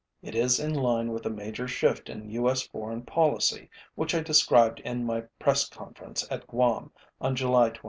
It is in line with the major shift in U. S. foreign policy which I described in my press conference at Guam on July 25.